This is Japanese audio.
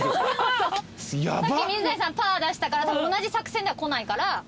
水谷さんパー出したから同じ作戦ではこないから。